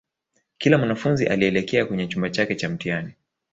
kila mwanafunzi alielekea kwenye chumba chake cha mtihani